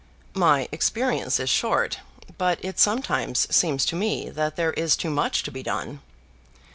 "My experience is short, but it sometimes seems to me that there is too much to be done."